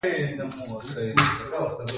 په افغانستان کې د پکتیکا منابع شته.